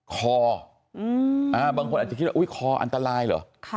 คอบางคนอาจจะคิดว่าอุ๊ยคออันตรายเหรอ